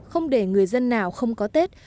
không để người dân nào không có tết